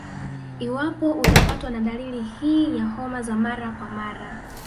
Iwapo utapatwa na dalili hii ya homa za mara kwa mara